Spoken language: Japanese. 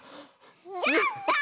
やった！